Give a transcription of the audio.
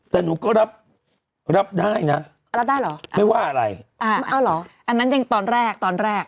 แต่หนูก็รับรับได้นะรับได้เหรอไม่ว่าอะไรอ่าไม่เอาเหรออันนั้นยังตอนแรกตอนแรก